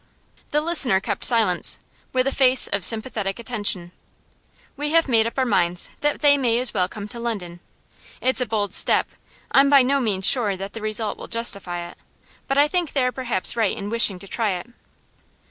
The listener kept silence, with a face of sympathetic attention. 'We have made up our minds that they may as well come to London. It's a bold step; I'm by no means sure that the result will justify it. But I think they are perhaps right in wishing to try it.